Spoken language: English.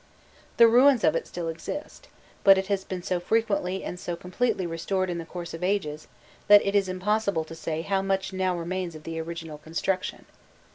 The ruins of it still exist, but it has been so frequently and so completely restored in the course of ages, that it is impossible to say how much now remains of the original construction.